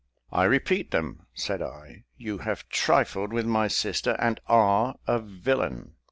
"I repeat them," said I. "You have trifled with my sister, and are a villain."